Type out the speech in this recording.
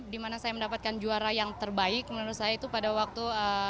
dimana saya mendapatkan juara yang terbaik menurut saya itu pada waktu